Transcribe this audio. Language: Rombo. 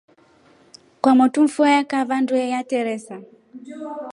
Kwamotu mfua ikakava ndwehe yeteresa.